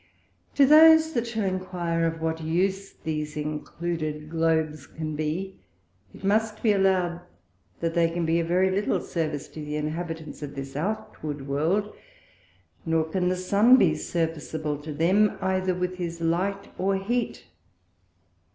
To those that shall enquire of what use these included Globes can be, it must be allow'd, that they can be of very little service to the Inhabitants of this outward World, nor can the Sun be serviceable to them, either with his Light or Heat.